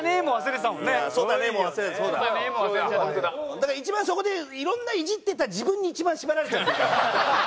だから一番そこでいろんなイジってた自分に一番縛られちゃってるから。